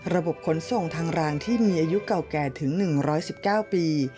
ระบบขนส่งทางรางที่มีอายุเก่าแก่ถึง๑๑๙ปี